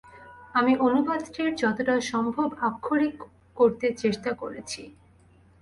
আমি অনুবাদটিকে যতটা সম্ভব আক্ষরিক করতে চেষ্টা করেছি।